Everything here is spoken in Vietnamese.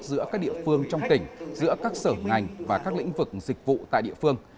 giữa các địa phương trong tỉnh giữa các sở ngành và các lĩnh vực dịch vụ tại địa phương